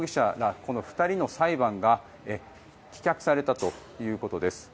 この２人の裁判が棄却されたということです。